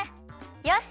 よし！